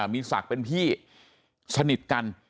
มีศักดิ์เป็นพี่สนิทกัน